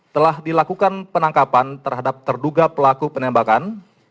telah dilakukan penangkapan terhadap terduga pelaku penembakan